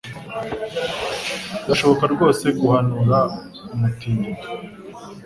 Birashoboka rwose guhanura umutingito?